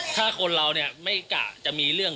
ถ้าคนเราเนี่ยไม่กะจะมีเรื่อง